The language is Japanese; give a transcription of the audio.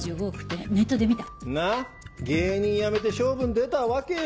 芸人辞めて勝負に出たわけよ。